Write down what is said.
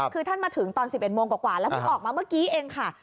คือท่านมาถึงตอน๑๑โมงกว่าแล้วเพิ่งออกมาเมื่อกี้เองค่ะ